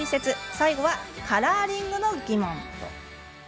最後は、カラーリングの疑問。